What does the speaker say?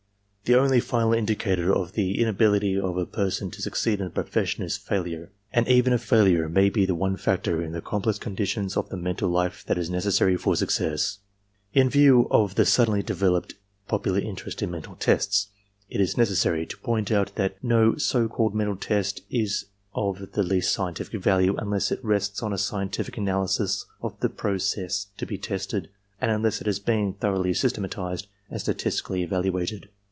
The only final indicator of the inability of a per son to succeed in a profession is failure; and even a failure may be the one factor in the complex conditions of the mental life that is necessary for success. In view of the suddenly developed popular interest in mental tests, it is necessary to point out ^ijhat no so called mental test is of the least scientific value unless it rests on a scientific analysis of the process to be tested, and unless it has been thoroughly systematized and statistically evaluated.